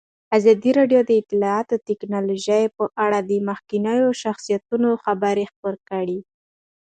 ازادي راډیو د اطلاعاتی تکنالوژي په اړه د مخکښو شخصیتونو خبرې خپرې کړي.